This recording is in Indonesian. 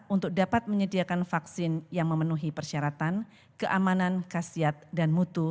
untuk dapat menyediakan vaksin yang memenuhi persyaratan keamanan khasiat dan mutu